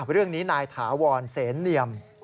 เรื่องนี้นายถาวรเสนเนียม